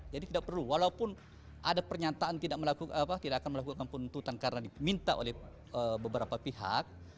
jadi tidak perlu walaupun ada pernyataan tidak akan melakukan penyelidikan karena diminta oleh beberapa pihak